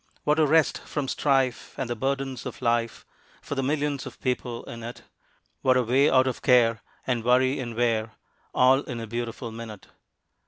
What a rest from strife and the burdens of life For the millions of people in it, What a way out of care, and worry and wear, All in a beautiful minute.